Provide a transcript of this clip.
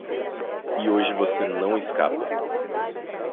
E hoje você não escapa.